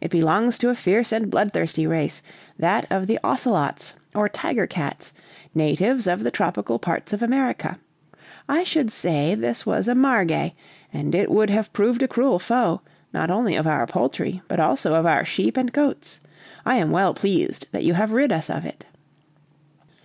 "It belongs to a fierce and bloodthirsty race that of the ocelots or tiger cats, natives of the tropical parts of America. I should say this was a margay, and it would have proved a cruel foe, not only of our poultry, but also of our sheep and goats. I am well pleased that you have rid us of it."